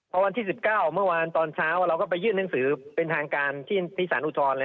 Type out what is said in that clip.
พอวันที่๑๙เมื่อวานตอนเช้าเราก็ไปยื่นหนังสือเป็นทางการที่สารอุทธรณ์